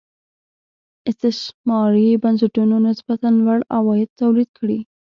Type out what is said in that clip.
استثماري بنسټونو نسبتا لوړ عواید تولید کړي.